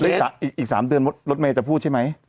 อีก๓เดือนรถเมย์จะพูดใช่ไหม